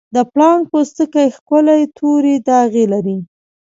د پړانګ پوستکی ښکلي تورې داغې لري.